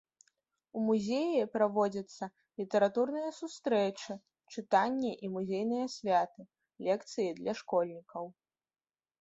У музеі праводзяцца літаратурныя сустрэчы, чытанні і музейныя святы, лекцыі для школьнікаў.